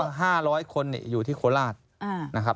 แล้วก็๕๐๐คนเนี่ยอยู่ที่โคราชนะครับ